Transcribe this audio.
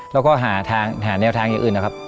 แล้วก็หาทางหาแนวทางอย่างอื่นนะครับ